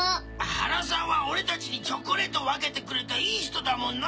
原さんは俺たちにチョコレート分けてくれたいい人だもんな！